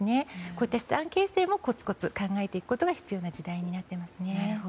こういった資産形成もこつこつ考えていくことが必要な時代になっていますね。